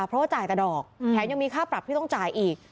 เพราะว่าจ่ายแต่ดอกแถมยังมีค่าปรับที่ต้องจ่ายอีก